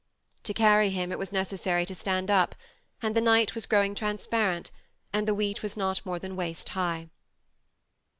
To carry him it was necessary to stand up, and the night was growing transparent, and the wheat was not more than waist high.